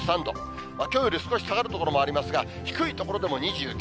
きょうより少し下がる所もありますが、低い所でも２９度。